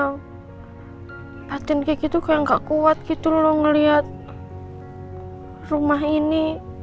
liatin kiki tuh kayak gak kuat gitu loh ngeliat rumah ini